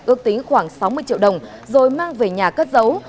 ước tính khoảng sáu mươi triệu đồng rồi mang về nhà cất giấu